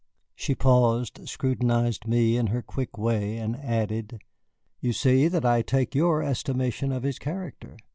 She paused, scrutinized me in her quick way, and added: "You see that I take your estimation of his character.